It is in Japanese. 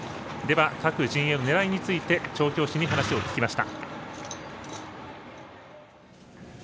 各陣営のねらいについて調教師に話を聞きました。